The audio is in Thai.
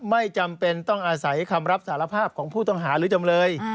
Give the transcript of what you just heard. ไม่จำเป็นต้องอาศัยคำรับสารภาพของผู้ต้องหาหรือจำเลย